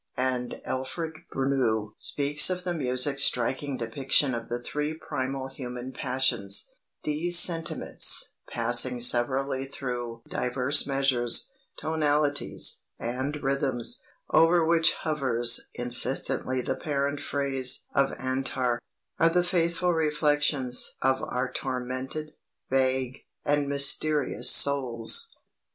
And Alfred Bruneau speaks of the music's striking depiction of the three primal human passions: "These sentiments, passing severally through diverse measures, tonalities, and rhythms, over which hovers insistently the parent phrase of Antar, are the faithful reflections of our tormented, vague, and mysterious souls."